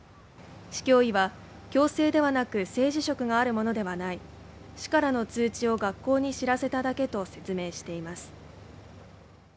市教委は強制ではなく政治色があるものではない市からの通知を学校に知らせただけと説明しています